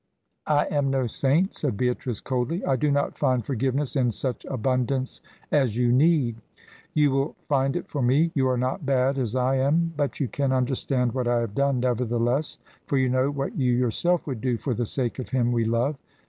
"I am no saint," said Beatrice, coldly. "I do not find forgiveness in such abundance as you need." "You will find it for me. You are not bad, as I am, but you can understand what I have done, nevertheless, for you know what you yourself would do for the sake of him we love.